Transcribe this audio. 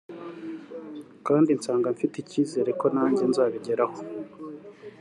kandi nsanga mfite ikizere ko nanjye nzabigeraho